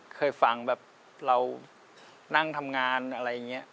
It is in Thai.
เคยฟังแบบเรานั่งทำงานอะไรอย่างนี้